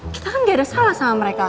kita kan tidak ada salah sama mereka